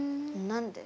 何で？